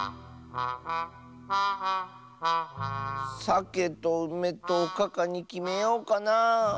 さけとうめとおかかにきめようかなあ。